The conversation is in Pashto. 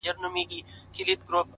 • یو سکندر سي بل چنګیز بل یې هټلر سي -